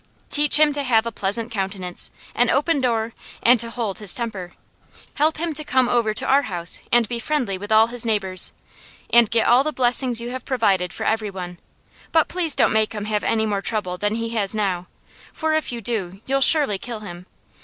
Teach him to have a pleasant countenance, an open door, and to hold his temper. Help him to come over to our house and be friendly with all his neighbours, and get all the blessings You have provided for every one; but please don't make him have any more trouble than he has now, for if You do, You'll surely kill him.